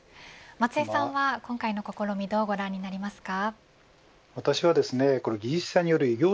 松江さんは、今回の試みどうご覧になりますか。